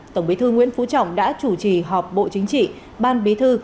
tổng bí thư nguyễn phú trọng đã chủ trì họp bộ chính trị ban bí thư